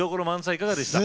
いかがでしたか。